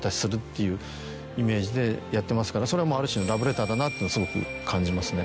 いうイメージでやってますからそれはある種ラブレターだなとすごく感じますね。